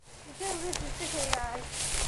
Nikilewa naongea kizungu sana